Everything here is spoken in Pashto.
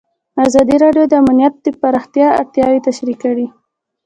ازادي راډیو د امنیت د پراختیا اړتیاوې تشریح کړي.